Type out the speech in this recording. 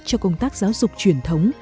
cho công tác giáo dục truyền thống